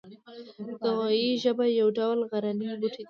د غویي ژبه یو ډول غرنی بوټی دی